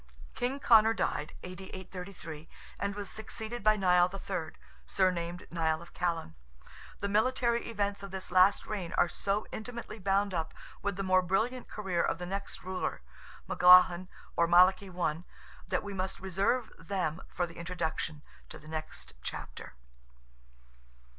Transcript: King Conor died (A.D. 833), and was succeeded by Nial III., surnamed Nial of Callan. The military events of this last reign are so intimately bound up with the more brilliant career of the next ruler—Melaghlin, or Malachy I.—that we must reserve them for the introduction to the next chapter.